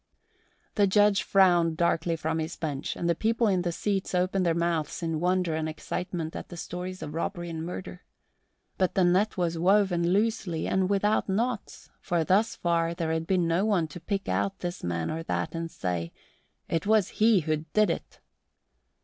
The Judge frowned darkly from his bench and the people in the seats opened their mouths in wonder and excitement at the stories of robbery and murder. But the net was woven loosely and without knots, for thus far there had been no one to pick out this man or that and say, "It was he who did it."